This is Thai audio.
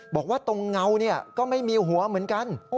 บอกว่าตรงเงาก็ไม่มีหัวเหมือนกัน